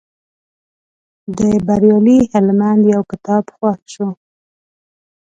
د بریالي هلمند یو کتاب خوښ شو.